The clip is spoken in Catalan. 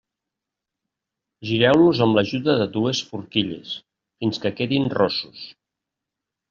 Gireu-los amb l'ajuda de dues forquilles, fins que quedin rossos.